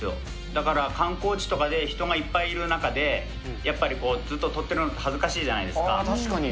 だから観光地とかで人がいっぱいいる中で、やっぱりずっと撮ってるのって恥ずかしいじゃないですか。